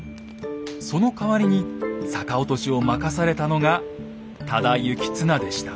そのかわりに逆落としを任されたのが多田行綱でした。